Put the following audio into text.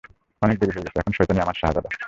অনেক দেরি হয়ে গেছে, এখন শয়তানই আমার শাহজাদা।